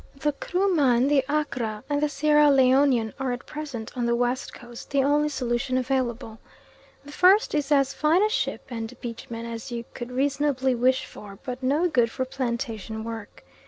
The Kruman, the Accra, and the Sierra Leonian are at present on the West Coast the only solution available. The first is as fine a ship and beach man as you could reasonably wish for, but no good for plantation work.